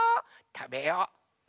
たべよう。